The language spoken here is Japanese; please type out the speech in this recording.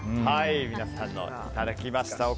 皆さんにお答えいただきました。